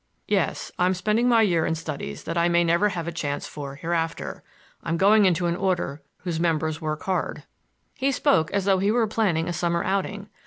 "Yes; I'm spending my year in studies that I may never have a chance for hereafter. I'm going into an order whose members work hard." He spoke as though he were planning a summer outing.